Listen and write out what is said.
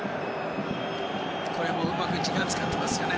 うまく時間を使ってますよね。